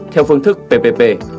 theo phương thức ppp